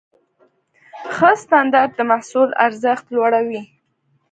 ښه سټنډرډ د محصول ارزښت لوړوي.